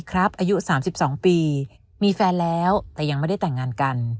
ครับอายุสามสิบสองปีมีแฟนแล้วแต่ยังไม่ได้แต่งงานกัน